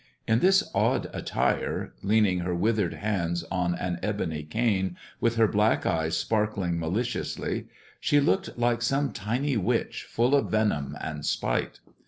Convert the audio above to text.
In this odd attire, leaning her withered hands on an ebony cane, with her black eyes 120 THE dwarf's chamber sparkling maliciously, she looked like some tiny witch full of venom and spite.